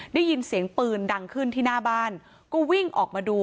ได้ยินเสียงปืนดังขึ้นที่หน้าบ้านก็วิ่งออกมาดู